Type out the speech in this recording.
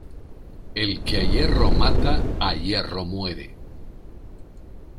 El que a hierro mata a hierro muere.